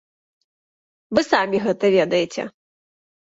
Вы самі гэта ведаеце.